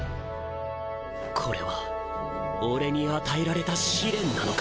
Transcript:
これは俺に与えられた試練なのか！